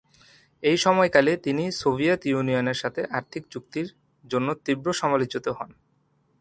এই সময়কালে তিনি সোভিয়েত ইউনিয়নের সাথে আর্থিক চুক্তির জন্য তীব্র সমালোচিত হন।